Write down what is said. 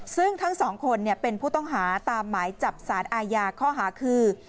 ซึ่งทั้งสองคนเป็นผู้ต้องหาตามหมายจับสารอาญาข้อหาคือ